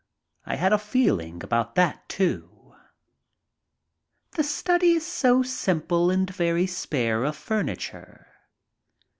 I had a feeling about that, too. The study is simple and very spare of furniture.